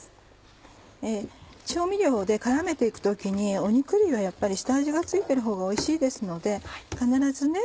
調味料で絡めて行く時に肉類は下味が付いてるほうがおいしいですので必ずね